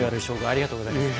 ありがとうございます。